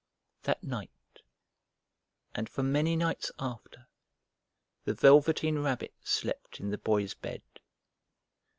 That night, and for many nights after, the Velveteen Rabbit slept in the Boy's bed.